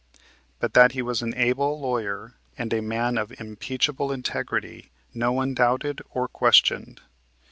But that he was an able lawyer and a man of unimpeachable integrity no one doubted or questioned.